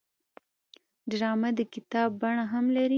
ډرامه د کتاب بڼه هم لري